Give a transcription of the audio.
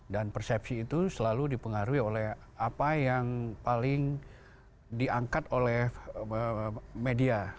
dan persepsi itu selalu dipengaruhi oleh apa yang paling diangkat oleh media